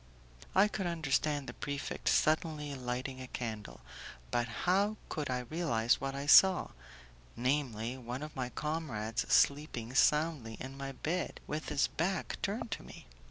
I could understand the prefect suddenly lighting a candle, but how could I realize what I saw namely, one of my comrades sleeping soundly in my bed, with his back turned to me?